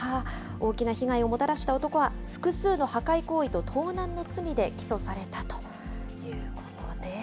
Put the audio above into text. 大きな被害をもたらした男は、複数の破壊行為と盗難の罪で起訴されたということです。